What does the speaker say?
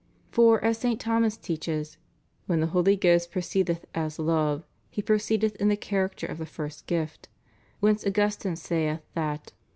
For, as St. Thomas teaches, "when the Holy Ghost proceedeth as love. He proceedeth in the character of the first gift; whence Augustine saith that through > St. Th.